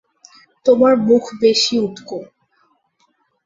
তোমার মুখ বেশি উটকো।